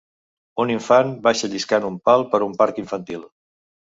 Un infant baixa lliscant un pal en un parc infantil.